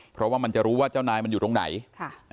เพราะว่ามันจะรู้ว่าเจ้านายมันอยู่ตรงไหนค่ะ